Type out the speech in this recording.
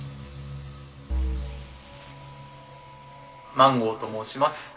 マンゴーと申します。